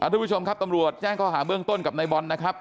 ทุกผู้ชมครับตำรวจแจ้งข้อหาเบื้องต้นกับในบอลนะครับ